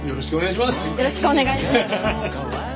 よろしくお願いします！